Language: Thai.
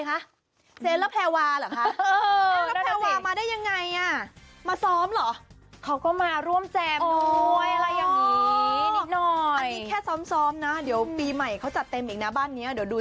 เขาก็มาร่วมแจมน้อยอะไรยังนีบ้านหนึ่งก็ซ้ำซ้อมนะเดี๋ยวปีใหม่เขาจัดเต็มเองนะบ้านนี้เดี๋ยวดู